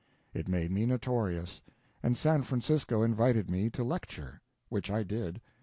It made me notorious, and San Francisco invited me to lecture. Which I did.